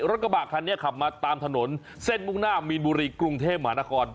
รถกระบะคันนี้ขับมาตามถนนเส้นมุ่งหน้ามีนบุรีกรุงเทพหมานคร